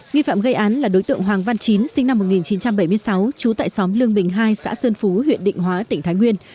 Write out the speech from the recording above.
nghi phạm gây án là đối tượng hoàng văn chín sinh năm một nghìn chín trăm bảy mươi sáu trú tại xóm lương bình hai xã sơn phú huyện định hóa tỉnh thái nguyên